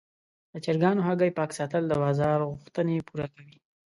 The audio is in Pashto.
د چرګانو هګۍ پاک ساتل د بازار غوښتنې پوره کوي.